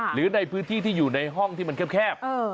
หรือในพื้นที่ที่อยู่ในห้องที่มันแคบ